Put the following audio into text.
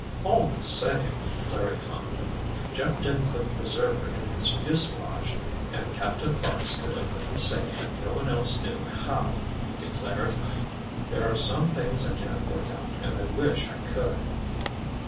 "All the same," Larry commented, "Jeff didn't put the preserver in his fuselage, and Captain Parks could open his safe and no one else knew how, he declared! There are some things I can't work out and I wish I could."